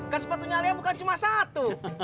kan sepatunya alia bukan cuma satu